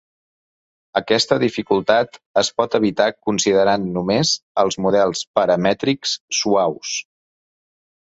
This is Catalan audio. Aquesta dificultat es pot evitar considerant només els models paramètrics "suaus".